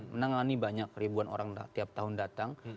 menangani banyak ribuan orang tiap tahun datang